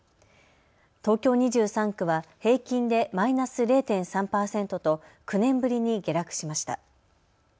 東京２３区は平均でマイナス０．３％と９年ぶりに下落しました。